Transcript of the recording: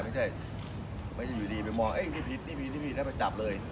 ไม่ใช่ไม่ใช่อยู่ดีไปมองนี่ผิดนี่ผิดนี่ผิดแล้วมาจับเลย